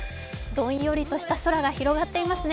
どんよりとした空が広がっていますね。